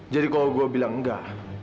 jadi kalau gue bilang enggak